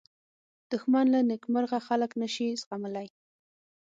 دښمن له نېکمرغه خلک نه شي زغملی